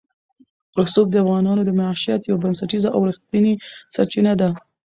رسوب د افغانانو د معیشت یوه بنسټیزه او رښتینې سرچینه ده.